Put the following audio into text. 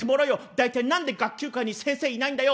大体何で学級会に先生いないんだよ！」。